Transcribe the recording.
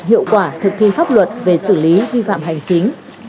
hiệu quả thực thi pháp luật về xử lý vi phạm hành chính